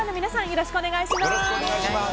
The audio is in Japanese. よろしくお願いします。